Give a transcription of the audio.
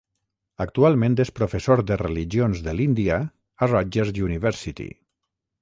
Actualment és professor de religions de l'Índia a Rutgers University.